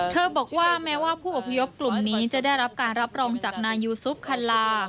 บอกว่าแม้ว่าผู้อพยพกลุ่มนี้จะได้รับการรับรองจากนายูซุปคัลลา